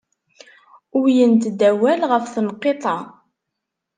Uwyent-d awal ɣef tenqiḍt-a.